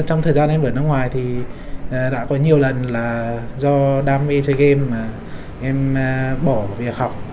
trong thời gian em ở nước ngoài thì đã có nhiều lần là do đam mê sea games mà em bỏ việc học